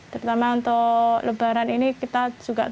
terutama untuk lebaran ini kita juga